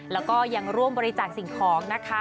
แล้วก็ยังร่วมบริจาคสิ่งของนะคะ